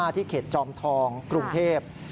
ที่เขตจอมทองกรุงเทพ